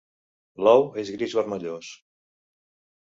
L'ou és gris vermellós.